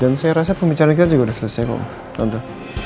dan saya rasa pembicaraan kita juga udah selesai kok tante